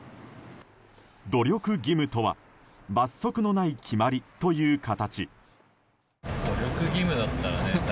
努力義務とは罰則のない決まりという形。